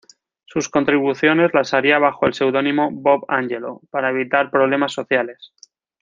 Sus contribuciones las haría bajo el seudónimo "Bob Angelo", para evitar problemas sociales.